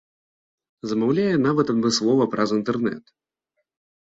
Замаўляе нават адмыслова праз інтэрнэт.